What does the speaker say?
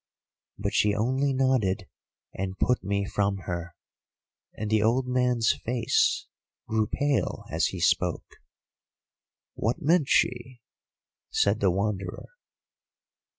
"But she only nodded, and put me from her,"—and the old man's face grew pale as he spoke. "What meant she?" said the Wanderer.